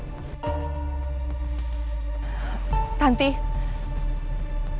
apakah aku harus bahagia atau bersedih mengetahui riri masih hidup